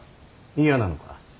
嫌なのか。